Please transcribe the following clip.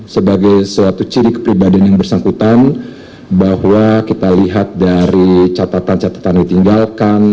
sebagai suatu ciri kepribadian yang bersangkutan bahwa kita lihat dari catatan catatan ditinggalkan